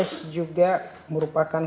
s juga merupakan